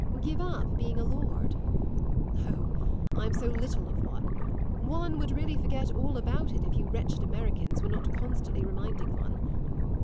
"Give up being a lord." "Oh, I'm so little of one! One would really forget all about it if you wretched Americans were not constantly reminding one.